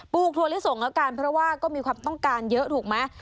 ถั่วลิสงแล้วกันเพราะว่าก็มีความต้องการเยอะถูกไหม